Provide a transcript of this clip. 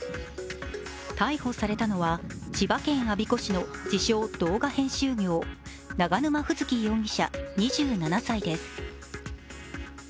逮捕されたのは千葉県我孫子市の自称・動画編集業、永沼楓月容疑者２７歳です。